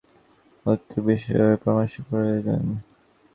তুমি টাকাকড়ির বিষয় কমিটির সঙ্গে প্রত্যেক বিষয়ে পরামর্শ করে কাজ করবে।